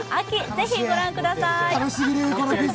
ぜひご覧ください。